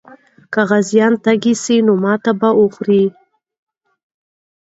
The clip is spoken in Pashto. که غازیان تږي سي، نو ماتې به وخوري.